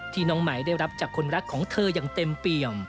น้องไหมได้รับจากคนรักของเธออย่างเต็มเปี่ยม